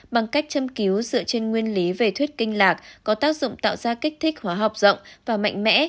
bằng cách châm cứu dựa trên nguyên lý về thuyết kinh lạc có tác dụng tạo ra kích thích hóa học rộng và mạnh mẽ